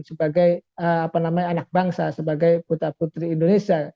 sebagai anak bangsa sebagai putra putri indonesia